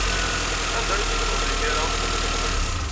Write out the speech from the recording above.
Anda ay tzedɣeḍ imir-a?